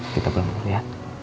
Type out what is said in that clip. kita bangun ya